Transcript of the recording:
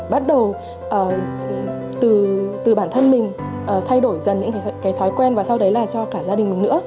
bắt đầu từ bản thân mình thay đổi dần những cái thói quen và sau đấy là cho cả gia đình mình nữa